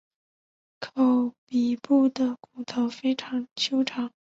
口鼻部的骨头非常修长。